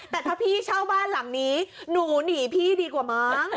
แต่ถ้าพี่เช่าบ้านหลังนี้หนูหนีพี่ดีกว่ามั้ง